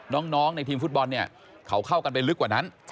น้องในทีมฟุตบอลเนี่ยเขาเข้ากันไปลึกกว่านั้น